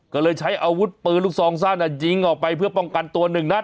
ก็เลยใช้อาวุธปืนลูกซองสั้นยิงออกไปเพื่อป้องกันตัวหนึ่งนัด